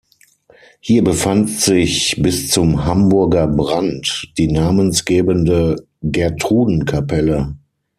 Hier befand sich bis zum Hamburger Brand die namensgebende Gertrudenkapelle.